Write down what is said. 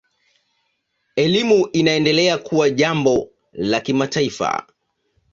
Elimu inaendelea kuwa jambo la kimataifa.